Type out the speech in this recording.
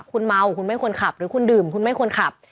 คุณเมาคุณไม่ควรขับหรือคุณดื่มคุณไม่ควรขับ